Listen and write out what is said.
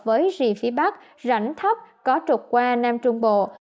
với rì phía bắc rảnh thấp có trục qua nam trung bộ